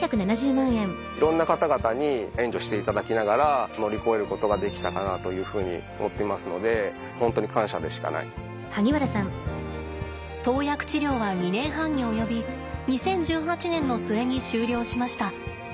いろんな方々に援助していただきながら乗り越えることができたかなというふうに思っていますので投薬治療は２年半に及び２０１８年の末に終了しました。